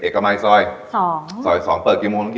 เอกมัยซอย๒เปิดกี่โมง